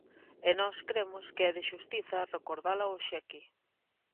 E nós cremos que é de xustiza recordala hoxe aquí.